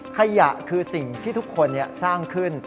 ขยะคือสิ่งที่ทุกคนสร้างขึ้น